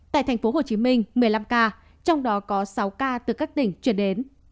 tại tp hcm một mươi năm ca trong đó có sáu ca từ các tỉnh chuyển đến